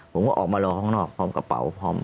ผมก็ออกมารอข้างนอกพร้อมกระเป๋าพร้อม